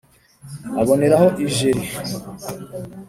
aboneraho ijeri.